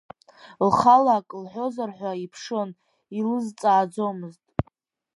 Лхала ак лҳәозар ҳәа иԥшын, илызҵааӡомызт.